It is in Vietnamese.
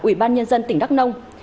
ủy ban nhân dân tỉnh đắk nông